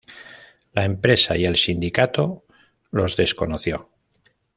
La empresa y el sindicato los desconoció.